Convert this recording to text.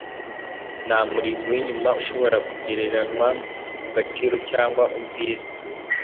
nta murimbo w’inyuma ushobora kugereranywa mu gaciro cyangwa ubwiza